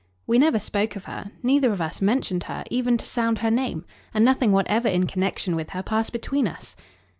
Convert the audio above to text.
"We never spoke of her. Neither of us mentioned her, even to sound her name, and nothing whatever in connexion with her passed between us."